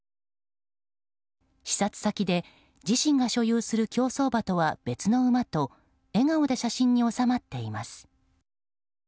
視察先で自身が所有する競走馬とは別の馬と笑顔で写真に収まっています。